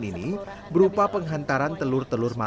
saat impian kemudian diberikan kekurangan